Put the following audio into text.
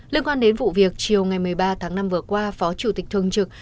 liên quan đến vụ việc chiều ngày một mươi ba tháng năm vừa qua phó chủ tịch thường trực